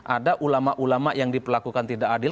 ada ulama ulama yang diperlakukan tidak adil